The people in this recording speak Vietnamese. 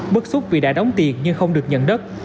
bất xúc vì đã đóng tiền nhưng không được nhận đất